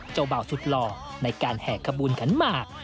เจ้าเบาสุดหล่อในการแห่งขบูลขันมาก